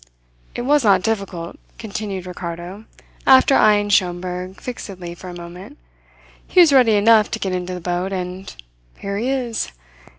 "It was not difficult," continued Ricardo, after eyeing Schomberg fixedly for a moment. "He was ready enough to get into the boat, and here he is.